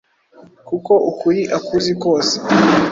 kuko ukuri akuzi kose